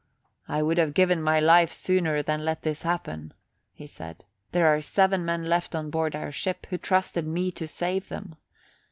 "I would have given my life sooner than let this happen," he said. "There are seven men left on board our ship, who trusted me to save them.